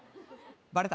バレた？